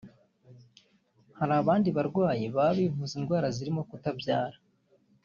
Hari abandi barwayi baba bivuza indwara zirimo kutabyara